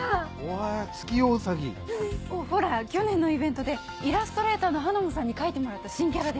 へぇ月夜ウサギ？ほら去年のイベントでイラストレーターのハナモさんに描いてもらった新キャラです。